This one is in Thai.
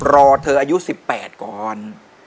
รอเธออายุ๑๘ก่อน